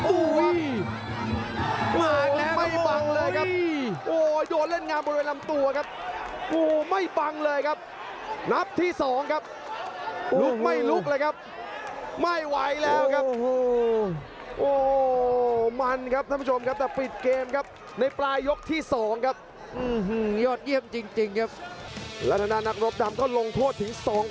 โอ้ยมากแล้วโอ้ยโอ้ยโอ้ยโอ้ยโอ้ยโอ้ยโอ้ยโอ้ยโอ้ยโอ้ยโอ้ยโอ้ยโอ้ยโอ้ยโอ้ยโอ้ยโอ้ยโอ้ยโอ้ยโอ้ยโอ้ยโอ้ยโอ้ยโอ้ยโอ้ยโอ้ยโอ้ยโอ้ยโอ้ยโอ้ยโอ้ยโอ้ยโอ้ยโอ้ยโอ้ยโอ้ยโอ้ยโอ้ยโอ้ยโอ้ยโอ้ยโอ้ยโอ